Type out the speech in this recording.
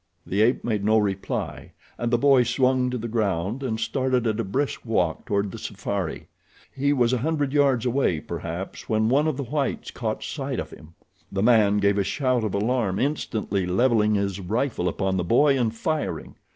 The ape made no reply, and the boy swung to the ground and started at a brisk walk toward the safari. He was a hundred yards away, perhaps, when one of the whites caught sight of him. The man gave a shout of alarm, instantly levelling his rifle upon the boy and firing.